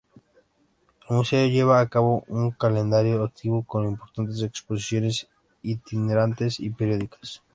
El museo lleva a cabo un calendario activo con importantes exposiciones itinerantes y periódicas.